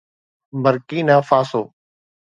Burkina Faso